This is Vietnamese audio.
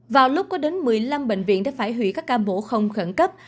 vào lúc có đến một mươi năm bệnh viện đã phải hủy các ca mổ không khẩn cấp